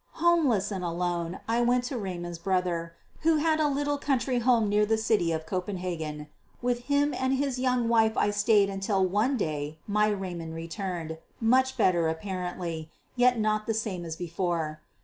Homeless and alone I went to Raymond's brother, who had a little country home near the city of Copenhagen. With him and his young wife I stayed until one day my Raymond returned, much better apparently, yet not the same as before.